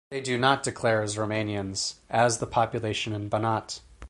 They do not declare as Romanians, as the population in Banat.